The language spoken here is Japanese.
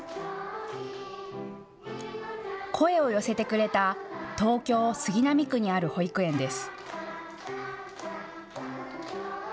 声を寄せてくれた、東京・杉並区にある保育園です。